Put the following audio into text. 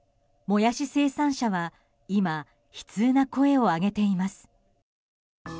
モヤシ生産者は今、悲痛な声を上げています。